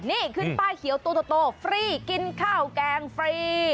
นี่ขึ้นป้ายเขียวตัวโตฟรีกินข้าวแกงฟรี